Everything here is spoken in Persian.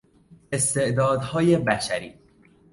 استعدادهای بشری